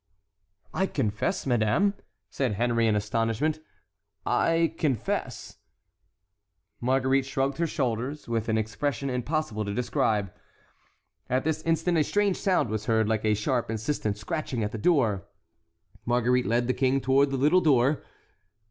"I confess, madame," said Henry in astonishment, "I confess"— Marguerite shrugged her shoulders with an expression impossible to describe. At this instant a strange sound was heard, like a sharp insistent scratching at the secret door. Marguerite led the king toward the little door.